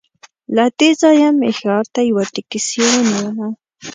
له دې ځایه مې ښار ته یوه ټکسي ونیوله.